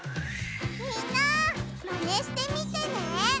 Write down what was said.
みんなマネしてみてね！